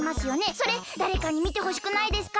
それだれかにみてほしくないですか？